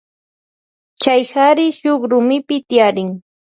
Chay kari shuk rumipi tiyarin.